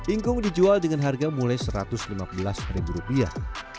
ingkung dijual dengan harga mulai satu ratus lima belas ribu rupiah